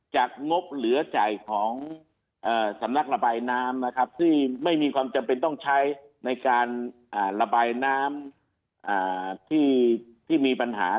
งบเหลือจ่ายของสำนักระบายน้ำนะครับซึ่งไม่มีความจำเป็นต้องใช้ในการระบายน้ำที่มีปัญหา